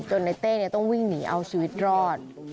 จนในเต้เนี่ยต้องวิ่งหนีเอาชีวิตรอด